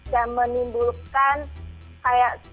dan menimbulkan kayak